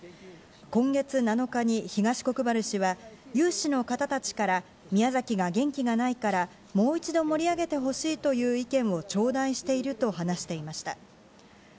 今月７日に東国原氏は、有志の方たちから、宮崎が元気がないから、もう一度盛り上げてほしいという意見を頂戴していると話していました。